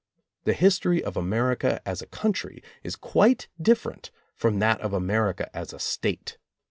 The history of America as a coun try is quite different from that of America as a State.